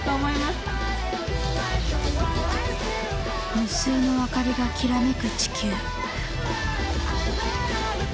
無数の明かりが煌めく地球。